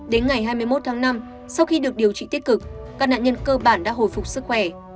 đến ngày hai mươi một tháng năm sau khi được điều trị tích cực các nạn nhân cơ bản đã hồi phục sức khỏe